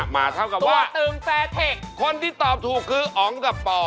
มาเท่ากับว่าตัวตึงแปดเท่คนที่ตอบถูกคือองค์กับป่อ